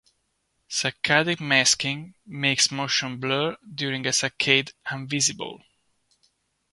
Saccadic masking makes motion blur during a saccade invisible.